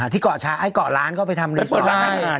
ที่เกาะชายเกาะร้านก็ไปทำไปเปิดร้านอาหาร